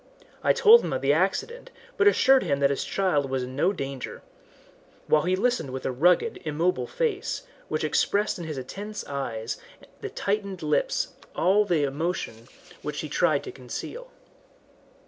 I told him of the accident, but assured him that his child was in no danger, while he listened with a rugged, immobile face, which expressed in its intense eyes and tightened lips all the emotion which he tried to conceal.